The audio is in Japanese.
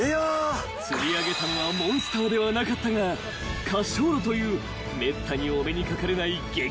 ［釣り上げたのはモンスターではなかったがカショーロというめったにお目にかかれない激